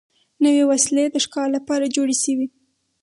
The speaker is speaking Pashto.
نوې وسلې د ښکار لپاره جوړې شوې.